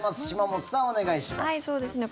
島本さん、お願いします。